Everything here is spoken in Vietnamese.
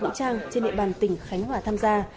vũ trang trên địa bàn tỉnh khánh hòa tham gia